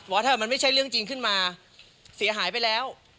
ว่าถ้ามันไม่ใช่เรื่องจริงขึ้นมาเสียหายไปแล้ว